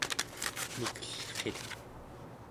mikellrit